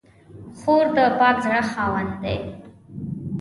خور د پاک زړه خاوندې ده.